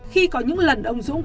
khi có những lần ông dũng